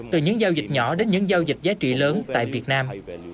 từ những giao dịch nhỏ đến những giao dịch giá trị lớn tại việt nam